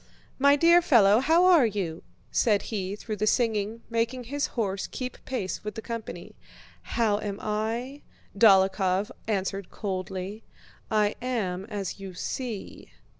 "My dear fellow, how are you?" said he through the singing, making his horse keep pace with the company. "How am I?" Dólokhov answered coldly. "I am as you see."